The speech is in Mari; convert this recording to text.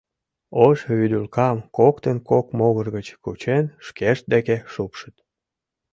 Ош вӱдылкам коктын кок могыр гыч кучен, шкешт деке шупшыт.